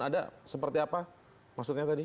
ada seperti apa maksudnya tadi